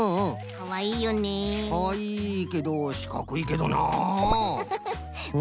かわいいけどしかくいけどな。